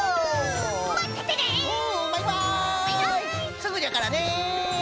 すぐじゃからね。